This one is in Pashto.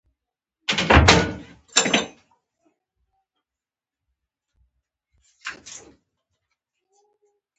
خپلې خبرې د وګړو غوږونو ته ورسولې.